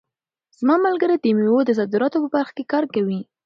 زما ملګری د مېوو د صادراتو په برخه کې کار کوي.